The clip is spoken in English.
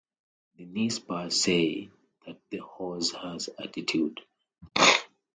The Nez Perce say that the horse has attitude.